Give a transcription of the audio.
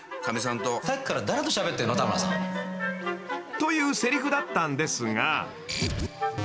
［というせりふだったんですが］